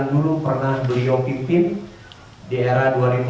yang dulu pernah beliau pimpin di era dua ribu tiga belas dua ribu delapan belas